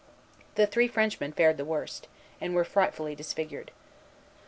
The three Frenchmen had fared the worst, and were frightfully disfigured.